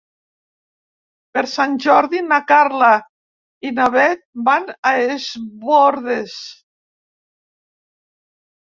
Per Sant Jordi na Carla i na Bet van a Es Bòrdes.